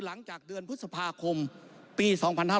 หลังจากเดือนพฤษภาคมปี๒๕๕๙